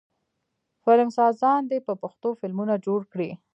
فلمسازان دې په پښتو فلمونه جوړ کړي.